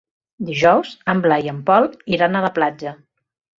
Dijous en Blai i en Pol iran a la platja.